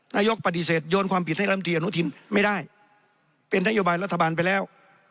นายกปฏิเสธโยนความผิดให้ลำตีอนุทินไม่ได้เป็นนโยบายรัฐบาลไปแล้ว